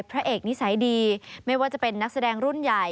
พระเอกนิสัยดีไม่ว่าจะเป็นนักแสดงรุ่นใหญ่